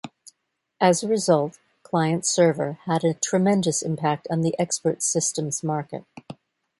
As a result, client server had a tremendous impact on the expert systems market.